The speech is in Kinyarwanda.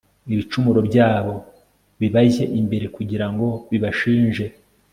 ibicumuro byabo bibajye imbere kugira ngo bibashinje